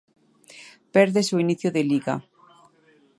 Perdese o inicio de Liga.